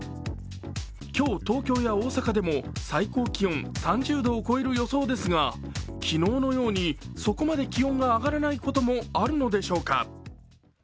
今日、東京や大坂でも最高気温３０度を超える予想ですが昨日のように、そこまで気温が上がらないこともあるのでしょうか。